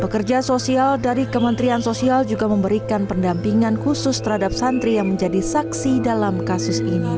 pekerja sosial dari kementerian sosial juga memberikan pendampingan khusus terhadap santri yang menjadi saksi dalam kasus ini